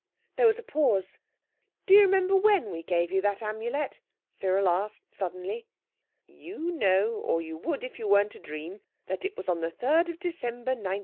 There was a pause. "Do you remember when we gave you that Amulet?" Cyril asked suddenly. "You know, or you would if you weren't a dream, that it was on the 3rd December, 1905.